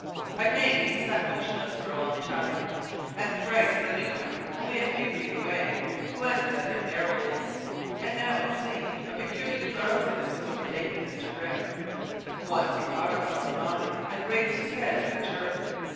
Again he sat motionless for a long time, and thrice the new comer, only a few feet away, glanced at him narrowly. And now, it seemed, a peculiar drowsiness was overtaking Mr. Grimm. Once he caught himself nodding and raised his head with a jerk.